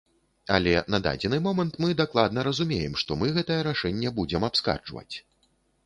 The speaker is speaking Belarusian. Але на дадзены момант мы дакладна разумеем, што мы гэтае рашэнне будзем абскарджваць.